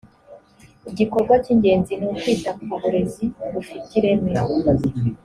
igikorwa cy ingenzi ni ukwita ku burezi bufite ireme